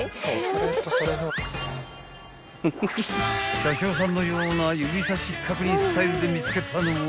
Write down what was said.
［車掌さんのような指さし確認スタイルで見つけたのは］